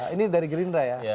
ini dari gerindra ya